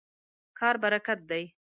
کار برکت دی.